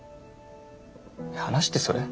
話ってそれ？